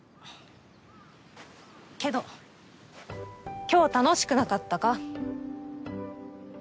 けど今日楽しくなかったか？